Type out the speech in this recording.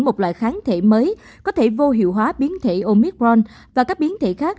một loại kháng thể mới có thể vô hiệu hóa biến thể omicron và các biến thể khác